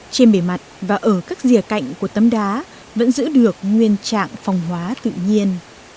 trên bề mặt và ở các rìa cạnh của tấm đá vẫn giữ được nguyên trạng phong hóa tự nhiên